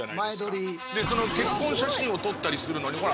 その結婚写真を撮ったりするのにほら。